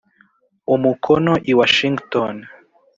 Umukono i washington